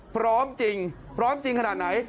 พร้อมจริงพร้อมจริงขนาดไหน